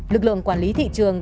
lực lượng quản lý thị trường